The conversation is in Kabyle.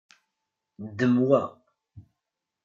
Ddem wa.